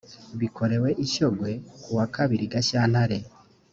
bikorewe i shyogwe kuwa kabiri gashyantare